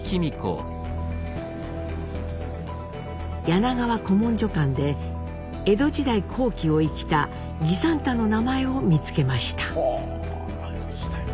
柳川古文書館で江戸時代後期を生きた儀三太の名前を見つけました。